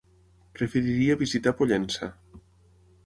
Preferiria visitar Pollença.